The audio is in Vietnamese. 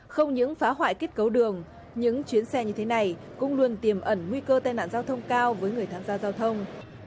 không những phá hoại kết cấu đường những chuyến xe như thế này cũng luôn tiềm ẩn nguy cơ tai nạn giao thông cao với người tham gia giao thông